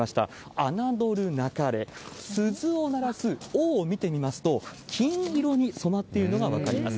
侮るなかれ、鈴を鳴らす緒を見てみますと、金色に染まっているのが分かります。